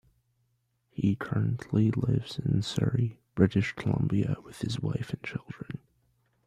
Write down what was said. He currently lives in Surrey, British Columbia with his wife and children.